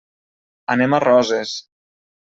Anem a Roses.